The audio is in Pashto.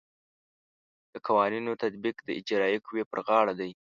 د قوانینو تطبیق د اجرائیه قوې پر غاړه دی.